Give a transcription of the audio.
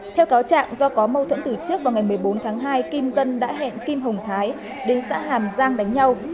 theo cáo trạng do có mâu thuẫn từ trước vào ngày một mươi bốn tháng hai kim dân đã hẹn kim hồng thái đến xã hàm giang đánh nhau